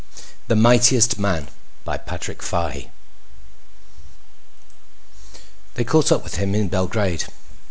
THE MIGHTIEST MAN By PATRICK FAHY They caught up with him in Belgrade.